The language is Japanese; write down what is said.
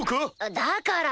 だから！